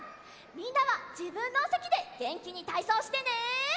みんなはじぶんのおせきでげんきにたいそうしてね！